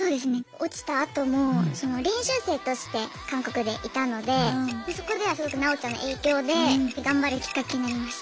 落ちたあとも練習生として韓国でいたのでそこではすごくなおちゃんの影響で頑張るきっかけになりました。